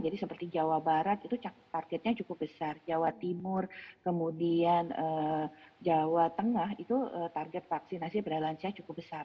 jadi seperti jawa barat itu targetnya cukup besar jawa timur kemudian jawa tengah itu target vaksinasi kepada lansia cukup besar